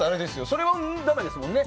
それはだめですもんね。